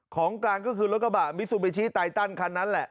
ของกลางก็คือรถกระบะมิซูบิชิไตตันคันนั้นแหละ